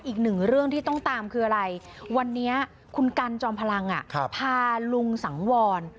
อีกหนึ่งเรื่องที่ต้องตามคืออะไรวันนี้คุณกันจอมพลังพาลุงสังวร